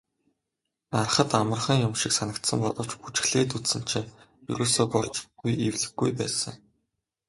Hарахад амархан юм шиг санагдсан боловч бүжиглээд үзсэн чинь ерөөсөө болж өгөхгүй эвлэхгүй байсан.